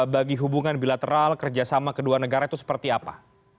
bagi hubungan bilateral kerjasama kedua negara itu seperti apa